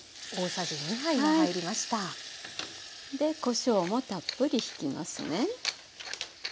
こしょうもたっぷりひきますね。